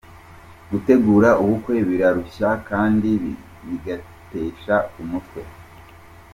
Gutegura ubukwe birarushya kandi bigatesha umutwe.